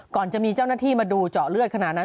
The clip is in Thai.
ก่อนจะมีเจ้าหน้าที่มาดูเจาะเลือดขนาดนั้น